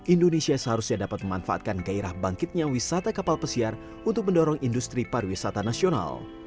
indonesia seharusnya dapat memanfaatkan gairah bangkitnya wisata kapal pesiar untuk mendorong industri pariwisata nasional